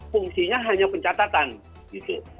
fungsinya hanya pencatatan gitu